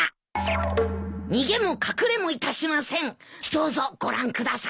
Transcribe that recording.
どうぞご覧ください。